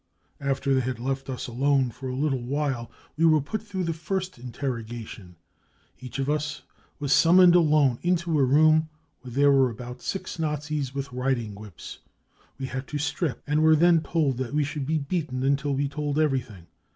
After they had left us alone for a little, we were put through the first 4 inter rogation, 5 Each of us was summoned alone into a room where there were about six Nazis with riding whips. We had to strip, and were then told that we should be beaten until we told everything.